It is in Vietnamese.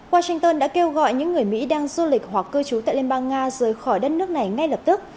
washington đã kêu gọi những người mỹ đang du lịch hoặc cư trú tại liên bang nga rời khỏi đất nước này ngay lập tức